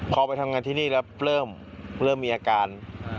พอไปทำงานที่นี่แล้วเริ่มมีอาการ